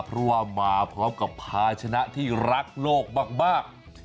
เพราะว่ามาพร้อมกับภาชนะที่รักโลกมาก